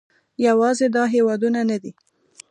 یوازې دا هېوادونه نه دي